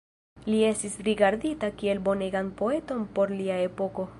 Li estis rigardita kiel bonegan poeton por lia epoko.